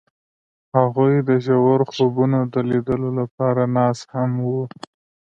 هغوی د ژور خوبونو د لیدلو لپاره ناست هم وو.